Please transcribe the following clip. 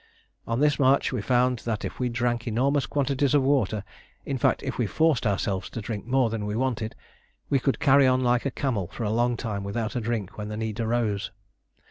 On this march we found that if we drank enormous quantities of water in fact, if we forced ourselves to drink more than we wanted we could carry on like a camel for a long time without a drink when the need arose.